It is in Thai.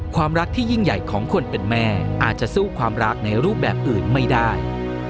ความรักที่ยิ่งใหญ่ของคนเป็นแม่อาจจะสู้ความรักในรูปแบบอื่นไม่ได้